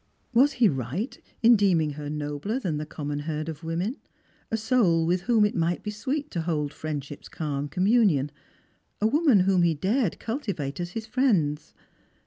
Was he right in deeming her nobler than the common herd of women, a soul with whom it might be sweet to hold friendship's calm communion, a woman whom he dared cultivate as his friend ?